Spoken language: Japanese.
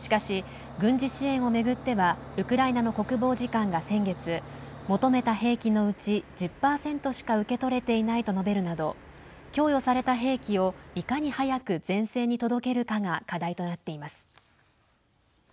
しかし、軍事支援を巡ってはウクライナの国防次官が先月求めた兵器のうち１０％しか受け取れていないと述べるなど供与された兵器をいかに早く前線に届けるかが課題となっています。